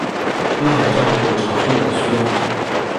他们还照顾朝圣者的需要。